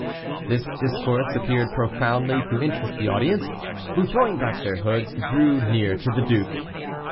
This discourse appeared profoundly to interest the audience, who, throwing back their hoods, drew near to the duke.